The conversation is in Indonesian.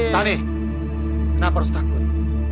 sani kenapa harus takut